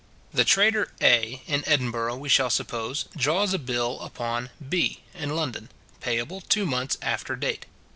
The trader A in Edinburgh, we shall suppose, draws a bill upon B in London, payable two months after date.